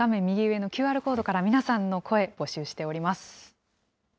右上のＱＲコードから皆さんの声、募集しております。